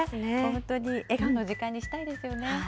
本当に笑顔の時間にしたいですよね。